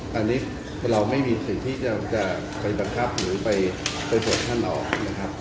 อันนี้เราไม่มีสิทธิ์ที่จะไปบังคับหรือไปตรวจท่านออกนะครับ